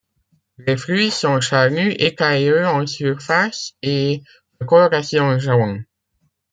Les fruits sont charnus, écailleux en surface et de coloration jaune.